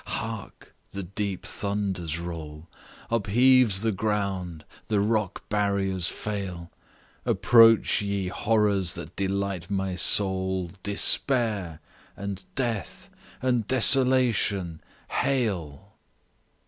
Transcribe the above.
Hark! the deep thunders roll; Upheaves the ground; the rocky barriers fail; Approach, ye horrors that delight my soul, Despair, and Death, and Desolation, hail!"